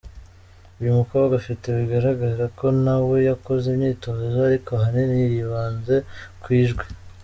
Uyu mukobwa afite bigaragara ko na we yakoze imyitozo ariko ahanini yibanze ku ijwi.